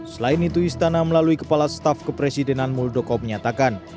selain itu istana melalui kepala staf kepresidenan muldoko menyatakan